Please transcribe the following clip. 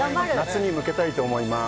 夏に向けたいと思います